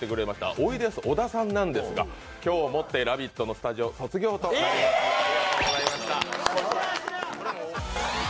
おいでやす小田さんなんですが今日をもって「ラヴィット！」のスタジオ卒業となりますえーっ！